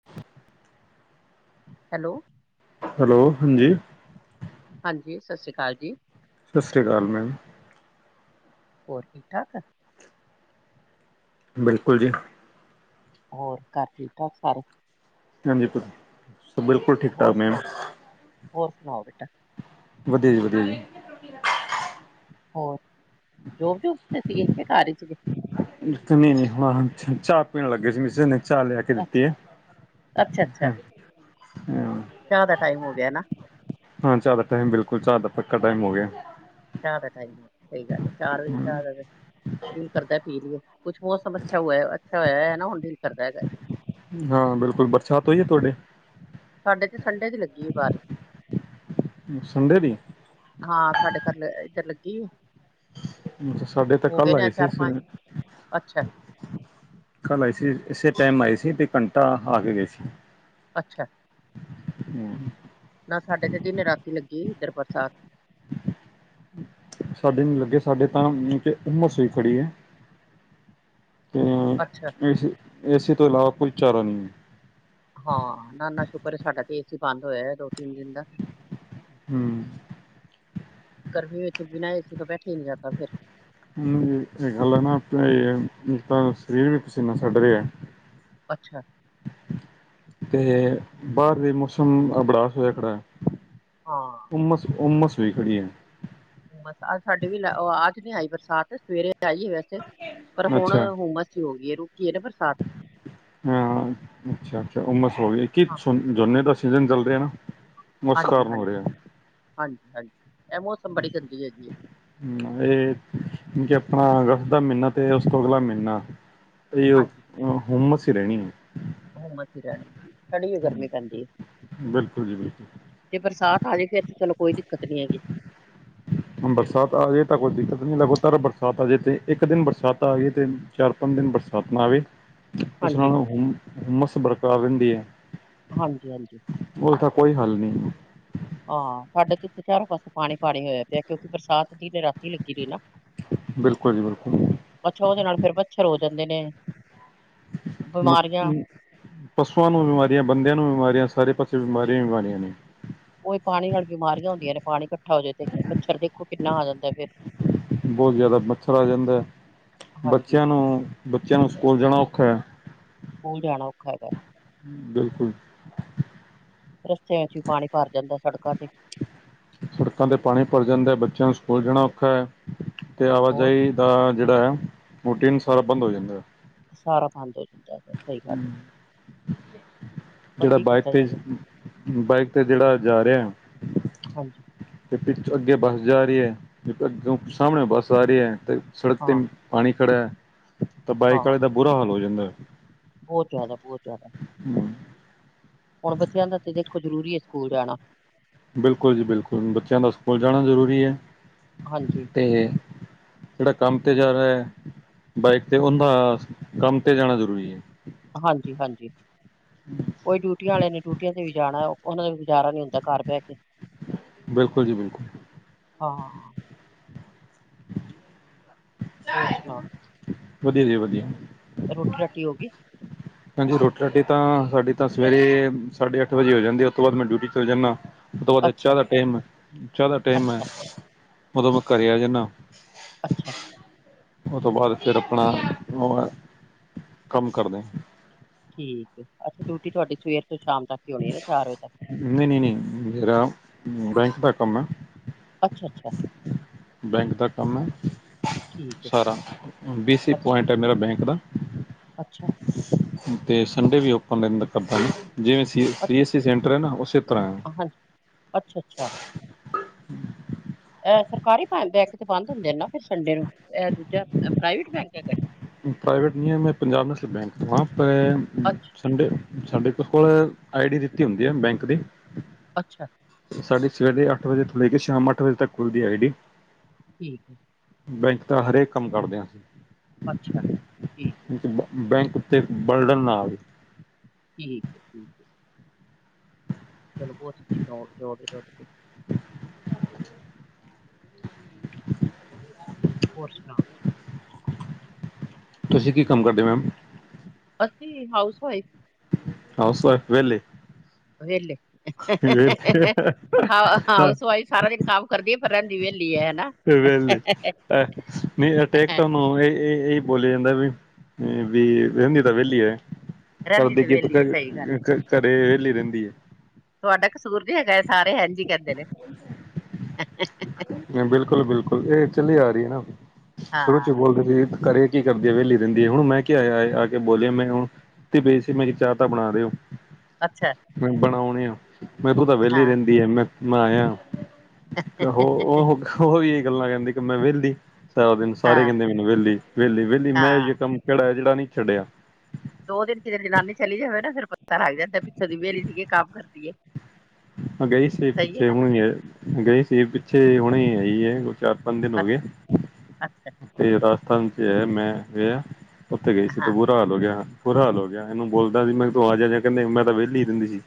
[inaudible] Hello hello ਹਾਂਜੀ ਹਾਂਜੀ ਸਤਿ ਸ਼੍ਰੀ ਅਕਾਲ ਜੀ। ਸਤਿ ਸ਼੍ਰੀ ਅਕਾਲ ਮੈਮ। ਹੋਰ ਠੀਕ ਠਾਕ। ਬਿਲਕੁਲ ਜੀ। ਹੋਰ ਘਰ ਠੀਕ ਠਾਕ ਸਾਰੇ? ਹਾਂਜੀ, ਬਿਲਕੁਲ ਹੋਰ ਠੀਕ-ਠਾਕ ਮੈਮ। ਸੁਣਾਓ ਹੋਰ ਸੁਣਾਓ ਬੇਟਾ? ਵਧੀਆ ਜੀ, ਵਧੀਆ ਜੀ। ਹੋਰ ਜੋਬ ਜੂਬ ਤੇ ਸੀਗੇ ਕਿ ਘਰ ਹੀ ਸੀਗੇ? ਨ‌ਈ-ਨ‌ਈ ਹੁਣ ਚਾਹ ਪੀਣ ਲੱਗੇ ਸੀ [unintelligible] ਚਾਹ ਲਿਆ ਕੇ ਦਿੱਤੀ ਅੱਛਾ ਐ, ਅੱਛਾ ਅੱਛਾ ਹੂੰ। ਚਾਹ ਦਾ ਟਾਈਮ ਹੋ ਗਿਆ ਨਾ। ਹਾਂ ਚਾਹ ਦਾ ਟੈਮ ਬਿਲਕੁਲ ਚਾਹ ਦਾ ਪੱਕਾ ਟੈਮ ਹੋ ਗਿਆ। ਚਾਹ ਦਾ ਟਾਈਮ, ਸਹੀ ਗੱਲ ਏ ਚਾਰ ਵਜੇ ਚਾਹ ਦਾ [unintelligible] ਕਰਦਾ ਪੀਣ ਲੀਏ, ਕੁਛ ਮੌਸਮ ਅੱਛਾ ਹੁਆ ਅੱਛਾ ਹੋਇਆ ਐ ਨਾ ਹੁਣ ਦਿਲ ਕਰਦਾ ਹੈਗਾ। ਹਾਂ ਬਿਲਕੁਲ, ਬਰਸਾਤ ਹੋਈ ਐ ਤੁਹਾਡੇ? ਸਾਡੇ ਤੇ ਸੰਡੇ ਦੀ ਲੱਗੀ ਐ ਬਾਰਸ਼। ਸੰਡੇ ਦੀ? ਹਾਂ ਸਾਡੇ ਘਰ, ਏਦਰ ਲੱਗੀ ਏ? ਅੱਛਾ ਸਾਡੇ ਤਾਂ ਕੱਲ ਆਈ ਸੀ ਚਾਰ ਪੰਜ ਸਵੇਰੇ। ਅੱਛਾ ਕੱਲ ਆਈ ਸੀ ਏਸੇ ਟੈਮ ਆਈ ਸੀ ਤੇ ਘੰਟਾ ਆ ਕੇ ਗ‌ਈ ਸੀ। ਅੱਛਾ, ਨਾ ਸਾਡੇ ਤੇ ਦਿਨ-ਰਾਤੀ ਲੱਗੀ ਏਦਰ ਬਰਸਾਤ। ਸਾਡੇ ਨੀ ਲੱਗੇ ਸਾਡੇ ਤਾਂ ਤੇ ਹੁੰਮਸ ਹੋਈ ਖੜੀ ਐ। ਹੂੰ, ਅੱਛਾ ਏਸੇ ਏਸੇ ਤੋਂ ਇਲਾਵਾ ਕੋਈ ਚਾਰਾ ਨੀ। ਹਾਂ, ਨਾ-ਨਾ ਸ਼ੁਕਰ ਸਾਡਾ ਤੇ ਏ ਸੀ ਬੰਦ ਹੋਇਆ ਦੋ-ਤਿੰਨ ਦਿਨ ਦਾ। ਹੂੰ। ਗਰਮੀ ਵਿੱਚ ਬਿਨਾਂ ਏ ਸੀ ਤੋਂ ਬੈਠਿਆ ਈ ਨੀ ਜਾਂਦਾ ਫੇਰ। ਹੂੰ ਏਹ ਗੱਲਾਂ ਐ ਨਾ ਤੇ ਹੁਣ ਤਾਂ ਸਰੀਰ ਵੀ ਪਸੀਨਾ ਛੱਡ ਰੇਆ। ਅੱਛਾ। ਤੇ ਬਾਰ ਵੀ ਮੌਸਮ ਅਹ [unintelligible] ਹੋਇਆ ਖੜਾ ਐ। ਹਾਂ। ਊਮਸ-ਊਮਸ ਹੋਈ ਖੜੀ ਐ। ਹੁਮਸ ਅੱਜ ਸਾਡੀ ਵੀ ਓ ਅੱਜ ਨੀ ਆਈ ਬਰਸਾਤ ਸਵੇਰੇ ਆਈ ਐ ਵੈਸੇ ਪਰ ਹੁਣ ਹੁਮਸ ਸ਼ੁਰੂ ਹੋ ਗੀ ਏ ਰੁਕੀ ਏ ਨਾ ਬਰਸਾਤ। ਹੂੰ। ਅੱਛਾ-ਅੱਛਾ ਹੁੰਮਸ ਹੋ ਗਈ, ਕੇ ਹਾਂ ਝੋਨੇ ਜੋਨੇ ਦਾ ਸੀਜ਼ਨ ਚਲ ਰਿਹਾ ਨਾ। ਉਸ ਕਾਰਨ ਹੋ ਹਾਂਜੀ-ਹਾਂਜੀ, ਰਿਹਾ ਹਾਂਜੀ-ਹਾਂਜੀ ਐਹ ਮੌਸਮ ਬੜੀ ਗੰਦੀ ਹੈਗੀ ਏ। ਹੂੰ ਏ ਜੀ ਆਪਣਾ ਅਗਸਤ ਦਾ ਮੀਨਾ ਤੇ ਓਸ ਤੋਂ ਅਗਲਾ ਮੀਨਾ ਏਹੀਓ ਹੁੰਮਸ ਈ ਰਹਿਣੀ ਐ। ਹੁੰਮਸ ਈ ਰਹਿਣੀ, ਸੜੀ ਗਰਮੀ ਪੈਂਦੀ ਏ। ਬਿਲਕੁਲ ਜੀ ਬਿਲਕੁਲ ਜੇ ਬਰਸਾਤ ਆ ਜੇ ਫੇਰ ਤੇ ਚਲੋ ਕੋਈ ਦਿੱਕਤ ਨੀ ਹੈਗੀ। ਹੁਣ ਬਰਸਾਤ ਆਵੇ ਤਾਂ ਕੋਈ ਦਿੱਕਤ ਨੀ ਲਗਾਤਾਰ ਬਰਸਾਤ ਆ ਜੇ ਤੇ ਇੱਕ ਦਿਨ ਬਰਸਾਤ ਆ ਜੇ ਤ ਚਾਰ-ਪੰਜ ਦਿਨ ਬਰਸਾਤ ਨਾ ਆਵੇ, ਉਸ ਹਾਂਜੀ ਨਾਲ ਹੁੰ ਹੁੰਮਸ ਬਰਕਰਾਰ ਰਹਿੰਦੀ ਏ। ਹਾਂਜੀ-ਹਾਂਜੀ। ਓਦਾ ਕੋਈ ਹਾਲ ਨੀ। ਹਾਂ, ਸਾਡੇ ਤੇ ਏਥੇ ਚਾਰੋਂ ਪਾਸੇ ਪਾਣੀ-ਪਾਣੀ ਹੋਇਆ ਪਿਆ ਕਿਉਂਕਿ ਬਰਸਾਤ ਦਿਨ-ਰਾਤੀ ਲੱਗੀ ਰਹੀ ਨਾ। ਬਿਲਕੁਲ ਜੀ ਬਿਲਕੁਲ। ਅੱਛਾ ਓਦੇ ਨਾਲ ਫੇਰ ਮੱਛਰ ਹੋ ਜਾਂਦੇ ਨੇ। ਬਿਮਾਰੀਆਂ ਮੱਖੀ ਪਸੂਆਂ ਨੂੰ ਬਿਮਾਰੀਆਂ ਬੰਦਿਆਂ ਨੂੰ ਬਿਮਾਰੀਆਂ ਸਾਰੇ ਪਾਸੇ ਬਿਮਾਰੀਆਂ ਈ ਬਿਮਾਰੀਆਂ ਨੇ ਉਹੀ ਪਾਣੀ ਨਾਲ ਬਿਮਾਰੀਆਂ ਹੁੰਦੀਆਂ ਨੇ ਪਾਣੀ ਇਕੱਠਾ ਹੋ ਜਾਵੇ ਤੇ ਮੱਛਰ ਦੇਖੋ ਕਿੰਨਾ ਆ ਜਾਂਦਾ ਫੇਰ ਬਹੁਤ ਜ਼ਿਆਦਾ ਮੱਛਰ ਆ ਜਾਂਦਾ ਹੈ ਹਾਂਜੀ ਬੱਚਿਆਂ ਨੂੰ ਬੱਚਿਆਂ ਨੂੰ ਸਕੂਲ ਜਾਣਾ ਔਖਾ ਹੈ। ਸਕੂਲ ਜਾਣਾ ਔਖਾ ਹੈਗਾ ਬਿਲਕੁਲ। ਰਸਤਿਆਂ ਚ ਵੀ ਪਾਣੀ ਭਰ ਜਾਂਦਾ ਸੜਕਾਂ ਤੇ ਸੜਕਾਂ ਤੇ ਪਾਣੀ ਭਰ ਜਾਂਦਾ ਹੈ ਬੱਚਿਆਂ ਨੂੰ ਸਕੂਲ ਜਾਣਾ ਔਖਾ ਹੈ ਤੇ ਹੋਰ ਆਵਾਜਾਈ ਦਾ ਜਿਹੜਾ ਹੈ ਮੋਟੀਨ ਸਾਰਾ ਬੰਦ ਹੋ ਜਾਂਦਾ। ਸਾਰਾ ਬੰਦ ਹੋ ਜਾਂਦਾ। ਹੈਗਾ ਸਹੀ ਗੱਲ ਹੈ ਪਰ ਜਿਹੜਾ ਕੀ ਬਾਈਕ ਕੀਤਾ ਤੇਜ਼ ਜਾਵੇ ਬਾਈਕ ਤੇ ਜਿਹੜਾ ਜਾ ਰਿਹਾ ਹਾਂਜੀ। ਤੇ ਪਿੱਛ ਅੱਗੇ ਬੱਸ ਜਾ ਰਹੀ ਹੈ ਅੱਗੇ ਸਾਹਮਣੇ ਬੱਸ ਆ ਰਹੀ ਹੈ ਤੇ ਸੜਕ ਤੇ ਹਾਂ ਪਾਣੀ ਖੜੇਆ ਹੈ ਤਾਂ ਬਾਈਕ ਹਾਂ ਵਾਲੇ ਦਾ ਬੁਰਾ ਹਾਲ ਹੋ ਜਾਂਦਾ ਏ। ਬਹੁਤ ਜ਼ਿਆਦਾ ਬਹੁਤ ਜ਼ਿਆਦਾ। [inaudible] ਹੁਣ ਬੱਚਿਆਂ ਦਾ ਤੇ ਦੇਖੋ ਜ਼ਰੂਰੀ ਹੈ ਸਕੂਲ ਜਾਣਾ ਬਿਲਕੁਲ ਜੀ ਬਿਲਕੁਲ ਬੱਚਿਆਂ ਦਾ ਸਕੂਲ ਜਾਣਾ ਜ਼ਰੂਰੀ ਹੈ। ਹਾਂਜੀ। ਤੇ ਜਿਹੜਾ ਕੰਮ ਤੇ ਜਾ ਰਿਹਾ ਹੈ ਬਾਈਕ ਤੇ ਉਹਦਾ ਕੰਮ ਤੇ ਜਾਣਾ ਜ਼ਰੂਰੀ ਹੈ। ਹਾਂਜੀ ਹਾਂਜੀ ਔਈ ਡਿਊਟੀਆਂ ਵਾਲੇ ਨੇ ਡਿਊਟੀਆਂ ਤੇ ਵੀ ਜਾਣਾ ਉਹ ਉਹਨਾਂ ਦਾ ਵੀ ਗੁਜ਼ਾਰਾ ਨੀ ਹੁੰਦਾ ਘਰ ਬਹਿ ਕੇ ਬਿਲਕੁਲ ਜੀ ਬਿਲਕੁਲ ਹਾਂ ਹਾਂ ਹੋਰ ਸੁਣਾਓ ਵਧੀਆ ਜੀ ਵਧੀਆ। ਰੋਟੀ ਰਾਟੀ ਹੋ ਗਈ। ਹਾਂਜੀ ਰੋਟੀ ਰਾਟੀ ਤਾਂ ਸਾਡੀ ਤਾਂ ਸਵੇਰੇ ਸਾਢੇ ਅੱਠ ਵਜੇ ਹੀ ਹੋ ਜਾਂਦੀ ਉਸ ਤੋਂ ਬਾਅਦ ਮੈਂ ਡਿਊਟੀ ਚਲੇ ਜਾਂਨਾ। ਉਹ ਤੋਂ ਬਾਅਦ ਅੱਛਾ ਚਾਹ ਦਾ ਟਾਈਮ ਚਾਹ ਦਾ ਟਾਈਮ ਹੈ ਅੱਛਾ ਉਦੋਂ ਮੈਂ ਘਰੇ ਆ ਜਾਂਨਾ। ਅੱਛਾ। ਉਹ ਤੋਂ ਬਾਅਦ ਫਿਰ ਆਪਣਾ ਮੋਬਾਈਲ ਕੰਮ ਕਰਦਾ ਠੀਕ ਹੈ ਅੱਜ ਡਿਊਟੀ ਤੁਹਾਡੀ ਸਵੇਰ ਤੋਂ ਸ਼ਾਮ ਤੱਕ ਈ ਹੋਣੀ ਹੈ ਚਾਰ ਵਜੇ ਤੱਕ ਨਹੀਂ ਨਹੀਂ ਨਹੀਂ ਮੇਰਾ ਬੈਂਕ ਦਾ ਕੰਮ ਹੈ। ਅੱਛਾ ਅੱਛਾ। ਬੈਂਕ ਦਾ ਕੰਮ ਹੈ। ਠੀਕ ਏ, ਸਾਰਾ ਬੀ ਸੀ ਅੱਛਾ-ਅੱਛਾ, ਪੁਆਇੰਟ ਏ ਮੇਰਾ ਬੈਂਕ ਦਾ। ਅੱਛਾ। ਤੇ ਸੰਡੇ ਵੀ ਓਪਨ ਦ ਕਰਦਾ ਜ ਜਿਵੇਂ ਸੀ ਅੱਛਾ ਐੱਸ ਸੀ ਸੈਂਟਰ ਹੈ ਨਾ ਉਸੇ ਤਰ੍ਹਾਂਹ ਹਾਂ, ਐ। ਹਾਂਜੀ, ਅੱਛਾ-ਅੱਛਾ। ਐ ਸਰਕਾਰੀ ਬੈਂਕ ਤੇ ਬੰਦ ਹੁੰਦੇ ਆ ਨਾ ਫਿਰ ਸੰਡੇ ਨੂੰ ਇਹ ਦੂਜਾ ਅ ਪ੍ਰਾਈਵੇਟ ਬੈਂਕ ਹੈ ਕਿ। ਪ੍ਰਾਈਵੇਟ ਨਹੀਂ ਏ ਮੈਂ ਪੰਜਾਬ ਨੈਸ਼ਨਲ ਬੈਂਕ ਤੋਂ ਆ ਪ ਅੱਛਾ, ਸੰਡੇ ਸੰਡੇ ਤੇ ਫੁਲ ਆਈ ਡੀ ਦਿੱਤੀ ਹੁੰਦੀ ਆ ਬੈਂਕ ਦੀ। ਅੱਛਾ‌। ਸਾਡੀ ਸਵੇਰ ਦੇ ਅੱਠ ਵਜੇ ਤੋਂ ਲੇਗੇ ਸ਼ਾਮ ਅੱਠ ਵਜੇ ਤੱਕ ਖੁੱਲਦੀ ਆਈ ਡੀ। ਠੀਕ ਹੈ। ਬੈਂਕ ਦਾ ਹਰੇਕ ਕੰਮ ਕਰਦੇ ਆ ਅਸੀਂ ਅੱਛਾ ਠੀਕ ਏ ਬ ਬੈਂਕ ਉੱਤੇ ਬਰਡਨ ਨਾ ਆਵੇ ਠੀਕ ਏ ਠੀਕ ਏ ਚਲੋ ਬਹੁਤ ਅੱਛੀ ਜੋਬ ਐ ਤੁਹਾਡੀ ਤੇ [inaudible] ਹੋਰ ਸੁਨਾਓ ਤੁਸੀਂ ਕੀ ਕੰਮ ਕਰਦੇ ਓ ਮੈਮ ਅਸੀਂ ਹਾਊਸ ਵਾਈਫ ਹਾਊਸ ਵਾਇਫ ਵੇਹਲੇ ਵੇਹਲੇ, ਵਿਹਲੇ ਹਾਊਸ ਵਾਇਫ ਸਾਰਾ ਦਿਨ ਕਾਮ ਕਰਦੀ ਏ ਪਰ ਰਹਿੰਦੀ ਵੇਲੀ ਏ ਹੈਨਾ ਵੇਹਲੇ ਐ ਨਹੀਂ ਏ ਤੇ ਇਕ ਕਮ ਏ ਏ ਬੋਲੀ ਜਾਂਦਾ ਵੀ ਵੀ ਰੈਹਿੰਦੀ ਤਾਂ ਵਿਹਲੀ ਐ ਰਹਿੰਦੀ ਕਰਦੀ ਤੇ ਕੀ ਏ ਤੂੰ ਵਿਹਲੀ ਕਿਹ ਸਹੀ ਗੱਲ ਏ। ਘ ਘਰੇ ਵੇਲੀ ਰਹਿੰਦੀ ਏ ਤੁਹਾਡਾ ਕਸੂਰ ਨੀ ਹੈਗਾ ਏ ਸਾਰੇ ਹੈਂਜੀ ਕਹਿੰਦੇ ਨੇ [inaudible] [unintelligible] ਬਿਲਕੁਲ-ਬਿਲਕੁਲ ਇਹ ਚੱਲੀ ਆ ਰਹੀ ਏ ਨਾ ਸ਼ੁਰੂ ਚ ਹੀ ਹਾਂ, ਬੋਲਦੇ ਸੀ ਘਰੇ ਕੀ ਕਰਦੀ ਏ ਵਿਹਲੀ ਰਹਿੰਦੀ ਹੁਨ ਮੈਂ ਕਿਹਾ ਇਆ ਆ ਕੇ ਬੋਲਿਆ ਮੈਂ ਹੁਨ ਸੁਤੀ ਪਈ ਸੀ, ਮੈ ਕਿਹਾ ਚਾਹ ਤਾਂ ਬਨਾ ਦੇਓ ਅੱਛਾ। ਮੈਂ ਬਣਾਉਣੇ ਆ ਮੈਂ ਤੂੰ ਤਾਂ ਵਿਹਲੀ ਹਾਂ, ਰਹਿੰਦੀ ਆ ਮੈਂ ਆਇਆ ਉਹ ਉਹ ਉਹ ਵੀ ਇਹੀ ਗੱਲਾਂ ਕਹਿੰਦੀ ਕਿ ਮੈਂ ਵੇਹਲੀ ਸਾਰਾ ਦਿਨ ਸਾਰੇ ਹਾਂ, ਕੈਂਹਦੇ ਮੈਨੂੰ ਵਿਹਲ- ਵਿਹਲੀ-ਵਿਹਲੀ ਹਾਂ। ਮੈਂ ਅਜੇਹਾ ਕੰਮ ਕਿਹੜਾ ਏ ਜਿਹੜਾ ਨਹੀਂ ਛੱਡਿਆ। ਦੋ ਦਿਨ ਕਿਧਰੇ ਜਨਾਨੀ ਚਲੀ ਜਾਵੇ ਨਾ ਫਿਰ ਪੱਤਾ ਲੱਗ ਜਾਂਦਾ ਪਿੱਛੋਂ ਦੀ ਵੇਹਲੀ ਸੀਗੀ ਕੰਮ ਕਰਦੀ ਏ ਅ ਗਈ ਸੀ ਪਿੱਛੇ ਹੁਨੇ ਗਈ ਪਿੱਛੇ ਹੁਨੇ ਆਈ ਏ ਚਾਰ, ਪੰਜ ਦਿਨ ਹੋ ਗਏ ਅੱਛਾ ਅੱਛਾ। ਤੇ ਰਾਜਸਥਾਨ ਚ ਐ ਮੈਂ ਗਿਆ, ਉੱਥੇ ਗਈ ਸੀ ਤੇ ਹਾਂ ਬੂਰਾ ਹਾਲ ਹੋ ਗਿਆ ਬੁਰਾ ਹਾਲ ਹੋ ਗਿਆ ਇਹਨੂੰ ਬੋਲਦਾ ਸੀ, ਮੈਂ ਕਿਹਾ ਤੂੰ ਆ ਜਾ ਕਹਿੰਦੇ ਮੈਂ ਤਾਂ ਵਿਹਲੀ ਰੈਹਿੰਦੀ ਸੀ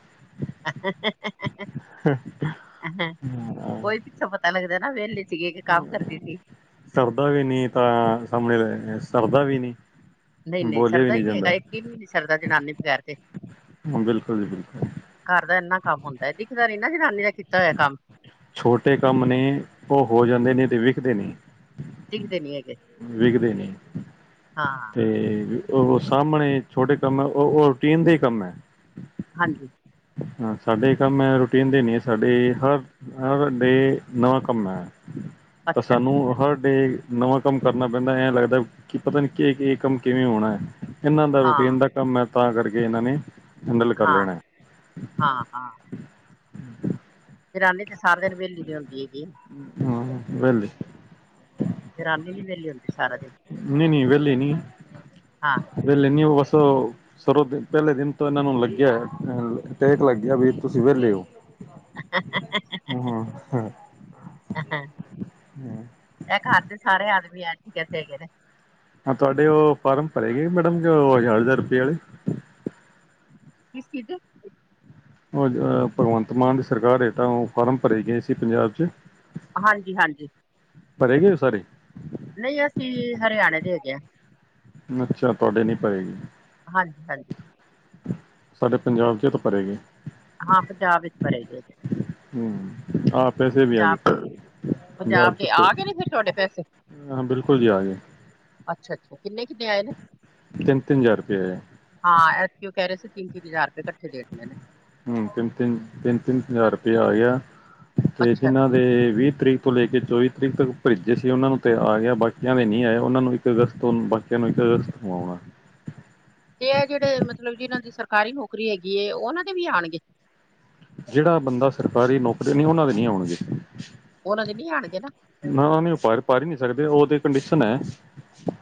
ਓਈ ਪਿੱਛੋਂ ਪਤਾ ਲਗਦਾ ਨਾ ਵੇਹਲੀ ਸਰਦਾ ਵੀ ਨੀ ਤਾਂ ਸਾਹਮਨੇ ਰਹੇ ਸਰਦਾ ਵੀ ਨੀ ਨਹੀਂ-ਨਹੀਂ ਸਰਦਾ ਈ ਨੀ ਹੈਗਾ, ਇੱਕ ਦਿਨ ਵੀ ਨੀ ਸਰਦਾ ਜਨਾਨੀ ਬਗੈਰ ਤੇ ਹਾ ਬਿਲਕੁਲ ਜੀ ਬਿਲਕੁਲ। ਘਰ ਦਾ ਐਨਾ ਕੰਮ ਹੁੰਦਾ ਐ ਦਿਖਦਾ ਨੀ ਨਾ ਜਨਾਨੀ ਦਾ ਕੀਤਾ ਹੋਇਆ ਕੰਮ ਛੋਟੇ ਕੰਮ ਨੇ ਉਹ ਹੋ ਜਾਂਦੇ ਨੇ ਤੇ ਵਿਖਦੇ ਨੇ ਦਿਖਦੇ ਨੀ ਹੈ ਵਿਖਦੇ ਨਈ ਹਾਂ ਤੇ ਉਹ ਸਾਹਮਨੇ ਛੋਟੇ ਕੰਮ ਐ ਉਹ ਉਹ ਰੂਟੀਨ ਦੇ ਹੀ ਕੰਮ ਏ ਹਾਂਜੀ ਹਾਂ ਸਾਡੇ ਕੰਮ ਏ ਰੂਟੀਨ ਦੇ ਨਹੀ ਏ ਸਾਡੇ ਹਰ ਹਰ ਡੇ ਨਵਾਂ ਕੰਮ ਏ ਤਾਂ ਅੱਛਾ ਸਾਨੂੰ ਹਰ ਡੇ ਨਵਾਂ ਕੰਮ ਕਰਨਾ ਪੈਂਦਾ ਐ ਲੱਗਦਾ ਕਿ ਪਤਾ ਨੀ ਕੇ ਕੇ ਕੰਮ ਕਿਵੇਂ ਹੋਨਾ ਹੈ, ਇਹਨਾਂ ਦਾ ਹਾਂ ਰੂਟੀਨ ਦਾ ਕੰਮ ਏ ਤਾਂ ਕਰਕੇ ਇਹਨਾਂ ਨੇ ਹੈਂਡਲ ਕਰ ਹਾਂ, ਲੈਣਾ ਹੈ। ਹਾਂ- ਹਾਂ। ਫ਼ਿਰ ਆ ਨੀ ਤੇ ਸਾਰਾਂ ਦਿਨ ਵਿਹਲੀ ਨੀਂ ਹੁੰਦੀ ਹੈਗੀ। ਹਾਂ, ਕੀ ਗੱਲ ਏ। ਤੇ ਰਾਤ ਨੂੰ ਵੀ ਵਿਹਲੀ ਹੁੰਦੀ ਸਾਰਾ ਦਿਨ। ਨਈ-ਨਈ ਵਹਿਲੇ ਨੀ। ਹਾਂ। ਵਹਿਲੇ ਨੀ ਓ ਬਸ ਓ। ਸਰੋਂ ਦਿ ਪਹਿਲੇ ਦਿਨ ਤੋਂ ਇਹਨਾਂ ਨੂੰ ਲੱਗਿਆ ਹੋਇਆ, ਟੇਕ ਲੱਗਿਆ ਵੀ ਤੁਸੀਂ ਵਿਹਲੇ ਓ। [inaudible] ਹਾਂ। ਹਾਂ, ਐ ਘਰ ਦੇ ਸਾਰੇ ਆਦਮੀ ਐਂਜ ਈ ਕਰਦੇ ਹੈਗੇ ਨੇ। ਹਾਂ ਤੁਹਾਡੇ ਉਹ ਫਾਰਮ ਭਰੇ ਗੇ, ਮੈਡਮ ਜੋ ਹਜ਼ਾਰ ਹਜ਼ਾਰ ਰੁਪਏ ਵਾਲੇ। ਕਿਸ ਚੀਜ਼ ਦੇ। ਭਗਵੰਤ ਮਾਨ ਦੀ ਸਰਕਾਰ ਹੇਤ ਓ ਫਾਰਮ ਭਰੇ ਗਏ ਸੀ ਪੰਜਾਬ 'ਚ। ਹਾਂਜੀ-ਹਾਂਜੀ। ਭਰੇ ਗਏ ਓ ਸਾਰੇ। ਨਹੀਂ ਅਸੀਂ ਹਰਿਆਣੇ ਦੇ ਹੈਗੇ ਆ। ਅੱਛਾ ਤੁਹਾਡੇ ਨੀ ਭਰੇਗੇ। ਹਾਂਜੀ- ਹਾਂਜੀ। ਸਾਡੇ ਪੰਜਾਬ 'ਚ ਤਾਂ ਭਰੇ ਗੇ। ਹਾਂ ਪੰਜਾਬ ਵਿੱਚ ਤਾਂ ਭਰੇ ਗਏ ਦੇ। ਹੂੰ ਆਪ ਕੈਸੈ ਬੀ ਆਈਏਂ ਪੰਜਾਬ ਚ। ਦੇ ਆ ਗਏ ਨੇ ਫਿਰ ਤੁਹਾਡੇ ਪੈਸੇ ਹਾਂ ਬਿਲਕੁਲ ਜੀ ਆਗੇ। ਅੱਛਾ- ਅੱਛਾ ਕਿੰਨੇ- ਕਿੰਨੇ ਆਏ ਨੇ। ਤਿੰਨ ਤਿੰਨ ਹਜ਼ਾਰ ਰੁਪਏ ਆਇਆ ਹਾਂ ਐਤਕੀ ਉਹ ਕਹਿ ਰਹੇ ਸੀ ਤਿੰਨ- ਤਿੰਨ ਹਜ਼ਾਰ ਰੁਪਏ ਇਕੱਠੇ ਦੇਣੇ ਨੇ। ਹੂੰ ਤਿੰਨ- ਤਿੰਨ, ਤਿੰਨ -ਤਿੰਨ ਹਜ਼ਾਰ ਰੁਪਇਆ ਆਇਆ ਤੇ ਅੱਛਾ ਜਿਨਾ ਵੀਹ ਤਰੀਕ ਤੋਂ ਲੈ ਕੇ ਚੌਵੀ ਤਰੀਕ ਤੱਕ ਭੇਜੇ ਸੀ, ਉਹਨਾਂ ਨੂੰ ਤੇ ਆ ਗਿਆ ਬਾਕੀਆਂ ਦੇ ਨਹੀਂ ਆਏ ਉਹਨਾਂ ਨੂੰ ਚੋਦਾ ਸਤੰਬਰ ਬਾਕੀਆਂ ਨੂੰ ਮੇਰੇ ਖ਼ਿਆਲ ਆਉਣਾਂ। ਤੇ ਐ ਜਿਹੜੇ ਮਤਲਬ ਜਿਨਾਂ ਦੀ ਸਰਕਾਰੀ ਨੌਕਰੀ ਹੈਗੀ ਏ ਉਹਨਾਂ ਦੇ ਵੀ ਆਣਗੇ। ਜਿਹੜਾ ਬੰਦਾ ਸਰਕਾਰੀ ਨੌਕਰੀ ਨਈ ਉਹਨਾਂ ਦੇ ਨੀ ਆਉਣਗੇ। ਉਹਨਾਂ ਦੇ ਨੀ ਆਣਗੇ ਨਾ। ਨਾ ਉਹ ਨੀ ਫਾਰਮ ਭਰ- ਭਰ ਹੀ ਨੀਂ ਸਕਦੇ ਉਹ ਤੇ ਕੰਡੀਸ਼ਨ ਐ,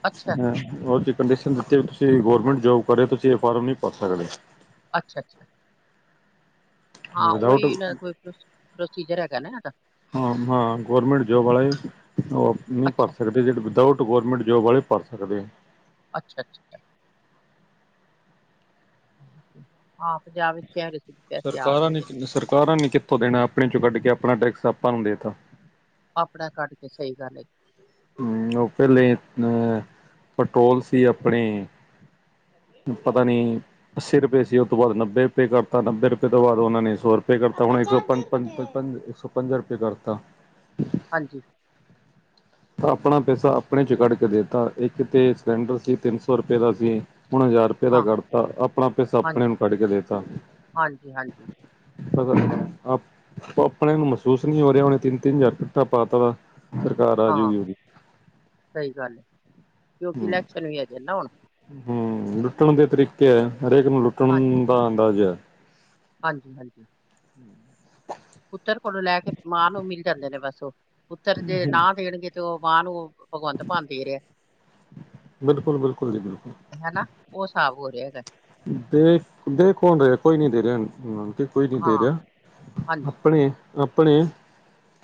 ਅੱਛਾ ਹੂੰ। ਉਹ ਤੇ ਕੰਡੀਸ਼ਨ ਦਿੱਤੀ ਤੁਸੀਂ ਗੌਰਮੈਂਟ ਜੋਬ ਕਰ ਰੇ, ਤੁਸੀਂ ਇਹ ਫਾਰਮ ਨੀਂ ਭਰ ਸਕਦੇ। ਅੱਛਾ -ਅੱਛਾ। ਹਾਂ ਵਿਦਆਊਟ ਉਹੀਂ ਨਾ ਕੋਈ ਪ੍ਰੋ ਪ੍ਰੋਸੀਜਰ ਹੈਗਾ ਨਾ ਹਾਡਾ। ਹਾਂ -ਹਾਂ ਗੌਰਮੈਂਟ ਜੋਬ ਵਾਲੇ ਉਹ ਨਹੀਂ ਭਰ ਅੱਛਾ ਸਕਦੇ। ਏ ਜਿਹੜੇ ਵਿਦਆਊਟ ਗੌਰਮੈਂਟ ਜੋਬ ਵਾਲੇ ਭਰ ਸਕਦੇ। ਅੱਛਾ -ਅੱਛਾ। ਹਾਂ ਪੰਜਾਬ ਵਿੱਚ ਕਹਿ ਰੇ ਸੀਗੇ। ਸਰਕਾਰਾਂ ਨੇ ਸਰਕਾਰਾਂ ਨੇ ਕਿੱਥੋਂ ਦੇਣਾ ਆਪਣੇ ਚੋਂ ਕੱਢ ਕੇ ਆਪਣਾ ਟੈਕਸ ਆਪਾਂ ਨੂੰ ਦੇਤਾ। ਆਪਣਾ ਕੱਢ ਕੇ, ਸਹੀ ਗੱਲ ਏ। ਹੂੰ ਉਹ ਪਹਿਲੇ ਅਹ ਪੈਟਰੋਲ ਸੀ ਆਪਣੇ ਪਤਾ ਨੀ। ਅੱਸੀ ਰੁਪਏ ਸੀ ਉਹ ਤੋਂ ਬਾਅਦ ਨੱਬੇ ਰੁਪਏ ਕਰਤਾ ਨੱਬੇ ਰੁਪਏ ਤੋਂ ਬਾਅਦ ਉਹਨਾਂ ਨੇ ਸੌ ਰੁਪਏ ਕਰਤਾ ਹੁਣ ਇੱਕ ਸੌ ਪੰ -ਪੰ ਇੱਕ ਸੌ ਪੰਜਾ ਰੁਪਏ ਕਰਤਾ। ਹਾਂਜੀ। ਆਪਣਾ ਪੈਸਾ ਆਪਣੇ 'ਚ ਕੱਢ ਕੇ ਦੇਤਾ, ਇੱਕ ਤੇ ਸਿਲੰਡਰ ਸੀ ਤਿੰਨ ਸੌ ਰੁਪਏ ਦਾ ਸੀ ਹੁਣ ਹਜ਼ਾਰ ਰੁਪਏ ਦਾ ਹਾਂ ਕੱਢਤਾ, ਆਪਣਾ ਪੈਸਾ ਆਪਣੇ ਹਾਂਜੀ ਨੂੰ ਕੱਢ ਕੇ ਦੇਤਾ। ਹਾਂਜੀ ਹਾਂਜੀ ਮਤਲਬ ਆਪ ਆਪਣੇ ਨੂੰ ਮਹਿਸੂਸ ਨਹੀਂ ਹੋ ਰਿਹਾ ਉਹਨੇ ਤਿੰਨ-ਤਿੰਨ ਹਜ਼ਾਰ ਇਕੱਠਾ ਪਾਤਾ ਵਾ, ਸਰਕਾਰ ਹਾਂ ਆਜੂਗੀ ਉਹਦੀ। ਸਹੀ ਗੱਲ, ਕਿਉਂਕਿ ਇਲੈਕਸ਼ਨ ਵੀ ਹੈਗੇ ਨਾ ਹੁਨ। ਹੂ, ਲੁੱਟਣ ਦੇ ਤਰੀਕੇ ਐ, ਹਰੇਕ ਨੂੰ ਹਾਂ ਲੁੱਟਣ ਦਾ ਅੰਦਾਜ਼ਾ। ਹਾਂਜੀ- ਹਾਂਜੀ। [inaudible] ਪੁੱਤਰ ਕੋਲੋਂ ਲੈ ਕੇ ਮਾਂ ਨੂੰ ਮਿਲ ਜਾਂਦੇ ਨੇ ਬਸ ਓ, ਪੁੱਤਰ ਜੇ ਹੈ ਨਾਂ ਦੇਣਗੇ ਤੇ ਉਹ ਮਾਂ ਨੂੰ ਭਗਵੰਤ ਮਾਨ ਦੇ ਰਿਆ। ਬਿਲਕੁਲ- ਬਿਲਕੁਲ ਜੀ, ਬਿਲਕੁਲ। ਹੈਨਾ, ਉਹ ਸਾਬ ਹੋ ਰਿਹਾ ਦਾ। ਦੇ, ਦੇ ਕੌਣ ਰਿਹਾ ਕੋਈ ਨੀ ਦੇ ਰਿਹਾ ਓਨੂੰ ਸਮਾਨ ਤੇ ਕੋਈ ਨਹੀਂ ਦੇ ਹਾਂ ਰਿਹਾ, ਹਾਂਜੀ ਆਪਣੇ- ਆਪਣੇ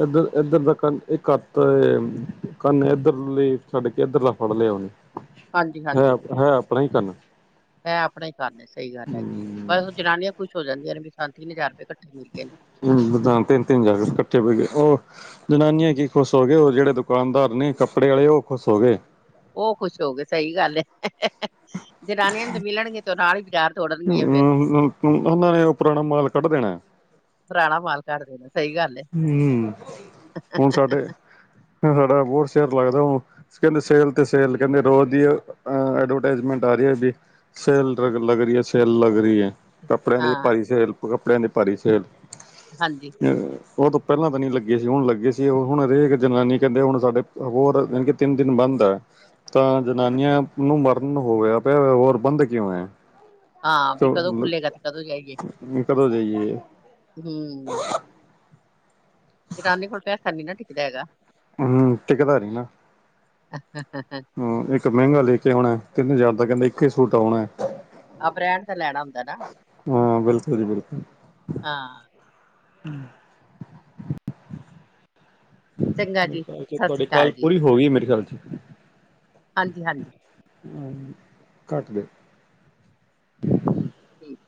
ਇੱਧਰ -ਇਧਰ ਦਾ ਕੰਨ ਇਕੱਤ ਕੰਨ ਇਧਰ ਲਈ ਛੱਡ ਕੇ ਇੱਧਰਲਾ ਫੜ ਲਿਆ ਉਹਨੇ। ਹਾਂਜੀ ਹੈ -ਹੈ ਆਪਣਾ ਹੀ ਕੰਨ। ਹੈ ਆਪਣਾ ਹੀ ਕੰਨ ਸਹੀ ਗੱਲ ਹੈਗੀ। ਬਸ ਜਨਾਨੀਆਂ ਖੁਸ਼ ਹੋ ਜਾਂਦੀਆਂ ਨੇ ਵੀ ਸਾਨੂੰ ਤਿੰਨ ਹਜ਼ਾਰ ਰੁਪਏ ਕੱਠੇ ਮਿਲ ਗਏ ਨੇ। ਹੂੰ, ਤਿੰਨ- ਤਿੰਨ ਹਜ਼ਾਰ ਇੱਕਠੇ ਪੈ ਗਏ, ਓ ਜਨਾਨੀਆਂ ਕੀ ਖੁਸ ਹੋ ਗਏ, ਉਹ ਜਿਹੜੇ ਦੁਕਾਨਦਾਰ ਨੇ ਕੱਪੜੇ ਆਲੇ, ਉਹ ਹੋ ਖੁਸ ਹੋ ਗਏ। ਉਹ ਖੁਸ਼ ਹੋ ਗਏ ਸਹੀ ਗੱਲ ਐ। ਹਾ, ਹਾ, ਹਾ ਜਨਾਨੀਆਂ ਨੂੰ ਤੇ ਮਿਲਣਗੇ ਤੇ ਉਹ ਨਾਲ ਹੀ ਬਜ਼ਾਰ ਹੂ, ਉਹਨਾਂ ਨੇ ਉਹ ਪੁਰਾਣਾ ਮਾਲ ਕੱਢ ਦੇਣਾ। ਪੁਰਾਣਾ ਮਾਲ ਕੱਢ ਦੇਣਾ, ਸਹੀ ਗੱਲ ਏ। ਹਮ ਹੁਣ ਸਾਡੇ ਸਾਡਾ ਬਹੁਤ ਸਿਰ ਲੱਗਦਾ ਹੋਊ ਸਕਿਲ ਸੇਲ ਤੇ ਸੇਲ ਕਹਿੰਦੇ ਰੋਜ਼ ਦੀ ਐਡਵਰਟਾਈਜ਼ਮੈਂਟ ਆ ਰਹੀ ਜੀ। ਸੈਲ ਲ ਲੱਗ ਰਹੀ ਐ, ਸੈੱਲ ਲੱਗ ਰਹੀ ਐ। ਕੱਪੜਿਆਂ ਹਾਂ ਭਾਰੀ ਸੇਲ, ਕੱਪੜਿਆਂ ਦੀ ਭਾਰੀ ਸੇਲ। ਹਾਂਜੀ। ਉਹ ਤੋਂ ਪਹਿਲਾਂ ਤਾਂ ਨਹੀਂ ਲੱਗੇ ਸੀ, ਹੁਣ ਲੱਗੇ ਸੀ, ਉਹ ਹੁਣ ਹਰੇਕ ਜਨਾਨੀ ਕਹਿੰਦੇ ਹੁਣ ਸਾਡੇ ਹੋਰ ਜਾਨਿਕੇ ਤਿੰਨ ਦਿਨ ਬੰਦ ਐ ਤਾਂ ਜਨਾਨੀਆਂ ਨੂੰ ਮਰਨ ਹੋ ਗਿਆ ਪਿਆ, ਹੋਰ ਬੰਦ ਕਿਉਂ ਹੈ? ਹਾਂ, ਭਈ ਕਦੋਂ ਖੁੱਲੇਗਾ ਤੇ ਕਦੋਂ ਜਾਈਏ। ਜੀ ਕਦੋਂ ਜਾਈਏ? ਹੂ। ਜਨਾਨੀ ਕੋਲ ਪੈਸਾ ਨਹੀਂ ਨਾ ਟਿਕਦਾ ਹੈਗਾ। ਹੂ ਟਿਕਦਾ ਨਹੀਂ ਆ। ਹ ਹ ਹ ਹ ਹੂ ਇੱਕ ਮਹਿੰਗਾ ਲੈ ਕੇ ਆਉਣਾ, ਤਿੰਨ ਹਜ਼ਾਰ ਦਾ ਕਹਿੰਦਾ ਇੱਕੇ ਸੂਟ ਆਉਣਾ। ਹਾਂ ਬ੍ਰਾਂਡ ਦਾ ਲੈਣਾ ਹੁੰਦਾ ਨਾ, ਹਾਂ ਬਿਲਕੁਲ ਜੀ ਬਿਲਕੁਲ ਹਾਂ। ਚੰਗਾ ਜੀ ਕਾਲ ਚ ਸਤਿ ਤੁਹਾਡੀ ਸ੍ਰੀ ਕਾਲ ਅਕਾਲ ਜੀ ਪੂਰੀ ਹੋ ਗਈ ਮੇਰੇ ਖਿਆਲ 'ਚ ਹਾਂਜੀ - ਹਾਂਜੀ। ਹੂ, ਕੱਟ ਦਿਓ। ਠੀਕ -ਠੀਕ।